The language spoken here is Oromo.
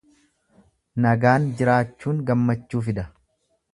Nagaan jiraachuun gammachuu fida.